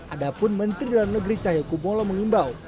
ada pun menteri dalam negeri cahaya kumolo mengimbau